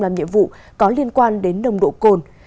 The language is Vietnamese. làm nhiệm vụ có liên quan đến nồng độ cồn